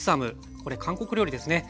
これ韓国料理ですね。